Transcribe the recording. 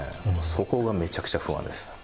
そこがめちゃくちゃ不安です。